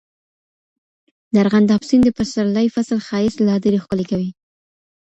د ارغنداب سیند د پسرلي فصل ښایست لا ډېر ښکلی کوي.